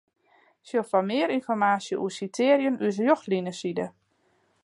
Sjoch foar mear ynformaasje oer sitearjen ús Rjochtlineside.